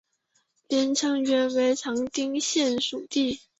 连城原为长汀县属地。